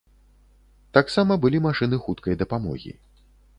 Таксама былі машыны хуткай дапамогі.